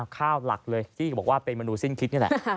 ข้าวหลักเลยที่บอกว่าเป็นเมนูสิ้นคิดนี่แหละ